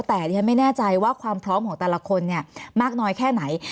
แต่ยังไม่แน่ใจว่าความพร้อมของแต่ละคนง่ายแค่ไหน